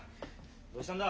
どうしたんだ？